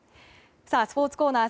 スポーツコーナー